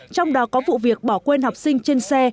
trong đó có vụ việc bỏ quên học sinh trên xe